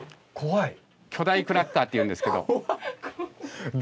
巨大クラッカーっていうんですけど。